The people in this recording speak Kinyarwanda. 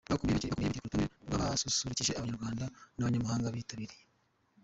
bakomeye bari ku rutonde rw’abasusurukije abanyarwanda n’abanyamahanga bitabiriye